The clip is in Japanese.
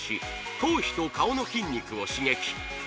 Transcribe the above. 頭皮と顔の筋肉を刺激